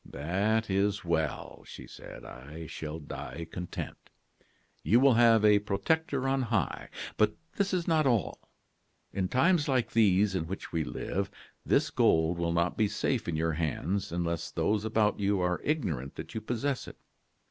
"'That is well,' she said; 'I shall die content. You will have a protector on high. But this is not all. In times like these in which we live, this gold will not be safe in your hands unless those about you are ignorant that you possess it.